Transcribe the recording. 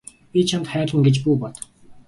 Би чамд хайлна гэж бүү бод.